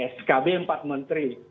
skb empat menteri